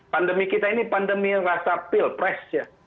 pandemi kita ini pandemi rasa pilpres ya